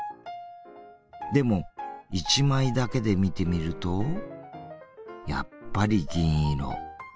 でも一枚だけで見てみるとやっぱり銀色。